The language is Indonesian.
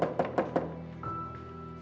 aku banyak bangunan